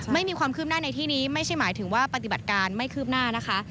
ไม่มีความคืบหน้าในที่นี้ไม่ใช่หมายถึงว่าปฏิบัติการไม่คืบหน้านะคะ